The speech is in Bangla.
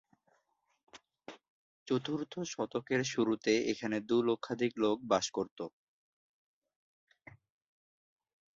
চতুর্থ শতকের শুরুতে এখানে দুই লক্ষাধিক লোক বাস করত।